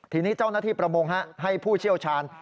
ทีนี้เจ้าหน้าที่ประมงให้ผู้เชี่ยวชาญ